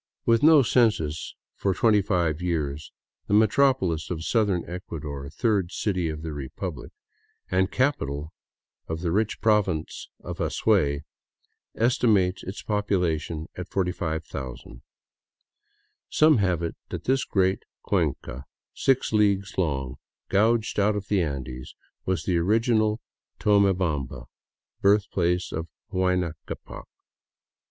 With no census for twenty five years, the metropolis of southern Ecuador, third city of the republic, and capital of the rich province of Azuay, esti mates its population at 45,000. Some have it that this great cuenca, six leagues long, gouged out of the Andes, was the original Tonie bamba, birthplace of Huayna Ccapac.